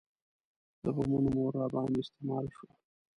د بمونو مور راباندې استعمال شوه.